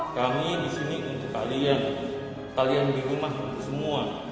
kami di sini untuk kalian kalian di rumah untuk semua